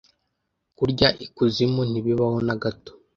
kurya ikuzimu ntibibaho nagato